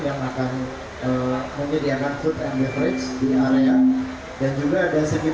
yang akan menyediakan food and beverage di area